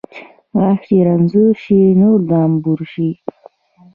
غاښ چې رنځور شي، نور د انبور شي.